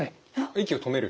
息を止める？